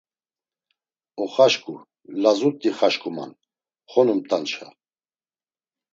Oxaşǩu; lazut̆i xaşǩuman, xonumt̆anşa.